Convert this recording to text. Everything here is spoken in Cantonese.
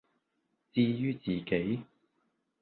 至于自己，